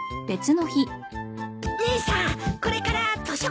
姉さんこれから図書館に行くの？